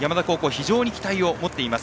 非常に期待を持っています。